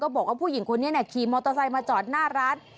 บอกว่าผู้หญิงคนนี้ขี่มอเตอร์ไซค์มาจอดหน้าร้าน